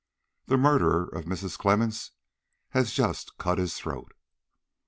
The murderer of Mrs. Clemmens has just cut his throat."